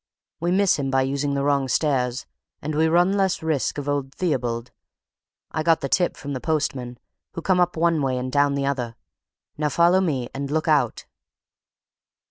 We miss him by using the wrong stairs, and we run less risk of old Theobald. I got the tip from the postmen, who come up one way and down the other. Now, follow me, and look out!"